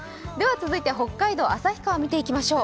続いて北海道旭川、見ていきましょう。